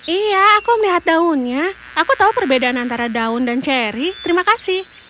iya aku melihat daunnya aku tahu perbedaan antara daun dan cherry terima kasih